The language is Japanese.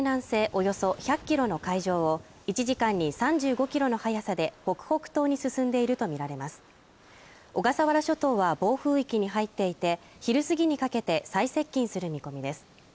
およそ１００キロの海上を１時間に３５キロの速さで北東に進んでいると見られます小笠原諸島は暴風域に入っていて昼過ぎにかけて最接近する見込みです